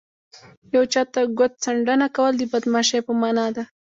یو چاته ګوت څنډنه کول د بدماشۍ په مانا ده